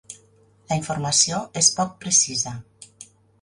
La informació és poc precisa.